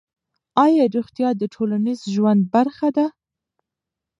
آیا روغتیا د ټولنیز ژوند برخه ده؟